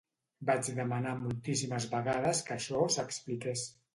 Vaig demanar moltíssimes vegades que això s’expliqués.